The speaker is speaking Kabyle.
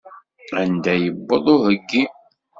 Anda yewweḍ uheggi?